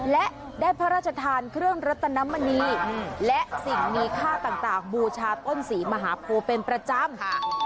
และได้พระราชทานเครื่องรัตนมณีและสิ่งมีค่าต่างบูชาต้นศรีมหาโพเป็นประจำ